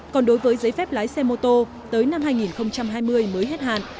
còn đối với giấy phép lái xe mô tô tới năm hai nghìn hai mươi mới hết hạn